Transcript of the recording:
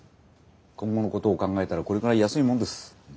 今後のことを考えたらこれくらい安いもんです。